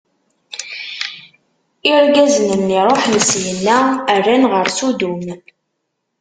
Irgazen-nni ṛuḥen syenna, rran ɣer Sudum.